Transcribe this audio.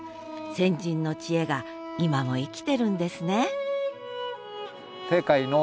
先人の知恵が今も生きてるんですね